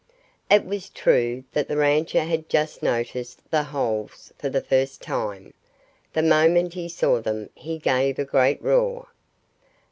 It was true that the rancher had just noticed the holes for the first time. The moment he saw them he gave a great roar.